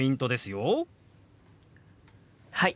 はい！